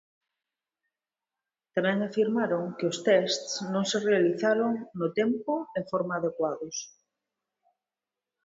Tamén afirmaron que os test non se realizaron "no tempo e a forma" adecuados.